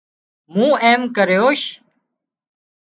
مُون ايم ڪريوش